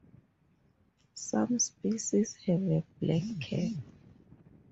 Some species have a black cap.